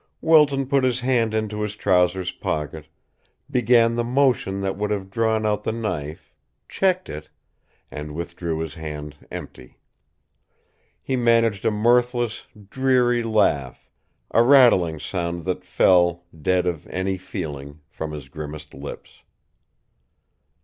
Wilton put his hand into his trousers pocket, began the motion that would have drawn out the knife, checked it, and withdrew his hand empty. He managed a mirthless, dreary laugh, a rattling sound that fell, dead of any feeling, from his grimacing lips.